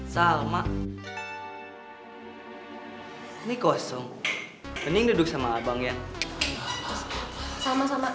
salma ini kosong pening duduk sama abangnya sama sama